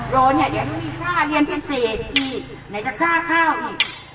รอเนี่ยเดี๋ยวพี่ฆ่าเรียนเป็นเศษอีกไหนจะฆ่าข้าวอีก